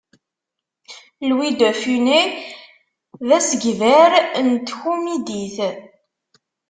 Louis de Funès d asegbar n tkumidit.